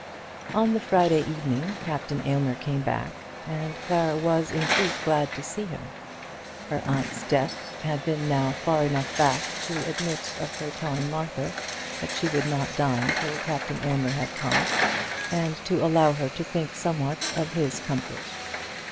On the Friday evening Captain Aylmer came back, and Clara was in truth glad to see him. Her aunt's death had been now far enough back to admit of her telling Martha that she would not dine till Captain Aylmer had come, and to allow her to think somewhat of his comfort.